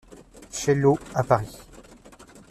Chaillot à Paris.